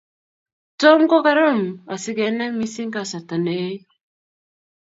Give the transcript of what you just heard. Tom kokoroom asi kenai missing kasarta ne eei.